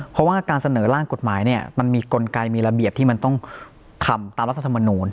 เพราะว่าการเสนอร่างกฎหมายเนี่ยมันมีกลไกมีระเบียบที่มันต้องทำตามรัฐธรรมนูล